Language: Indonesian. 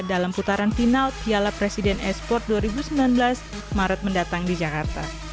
dalam putaran final piala presiden e sport dua ribu sembilan belas maret mendatang di jakarta